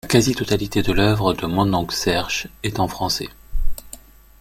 La quasi-totalité de l'œuvre de Mononc' Serge est en français.